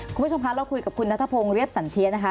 คุณผู้ชมคะเราคุยกับคุณนัทพงศ์เรียบสันเทียนะคะ